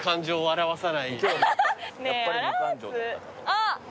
あっ！